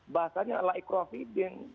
bahasanya laik providen